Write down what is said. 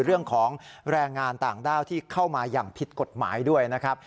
เรื่องของแรงงานต่างด้าวที่เข้ามาอย่างผิดกฎหมายด้วยนะครับ